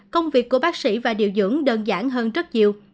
công việc của bác sĩ và điều dưỡng đơn giản hơn rất nhiều